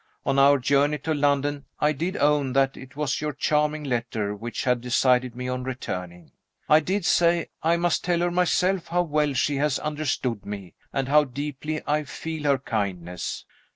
On our journey to London I did own that it was your charming letter which had decided me on returning. I did say, 'I must tell her myself how well she has understood me, and how deeply I feel her kindness.